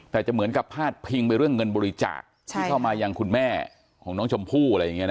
แต่จะเหมือนกับพาดพิงไปเรื่องเงินบริจาคที่เข้ามาอย่างคุณแม่ของน้องชมพู่